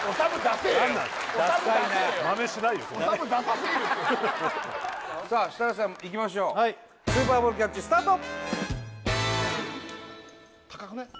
そんなのおさむダサすぎるってさあ設楽さんいきましょうはいスーパーボールキャッチスタート高くない？